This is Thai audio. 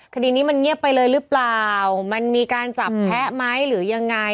คดีนี้มันเงียบไปเลยหรือเปล่ามันมีการจับแพ้ไหมหรือยังไง